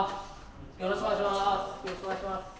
よろしくお願いします。